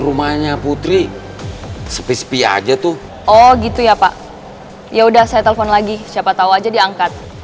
rumahnya putri sepi sepi aja tuh oh gitu ya pak ya udah saya telepon lagi siapa tahu aja diangkat